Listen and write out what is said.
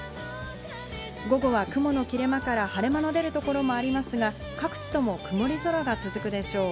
午後は、雲の切れ間から、晴れ間の出る所もありますが各地とも曇り空が続くでしょう。